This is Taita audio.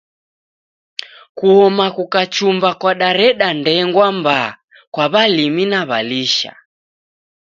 Kuoma kukachumba kwadareda ndengwa mbaa kwa walimi na walisha.